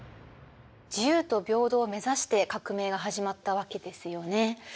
自由と平等を目指して革命が始まったわけですよね。